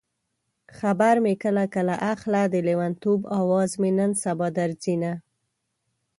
خبر مې کله کله اخله د لېونتوب اواز مې نن سبا درځينه